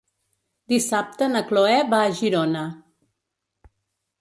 Dissabte na Cloè va a Girona.